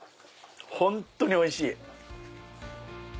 本当においしい！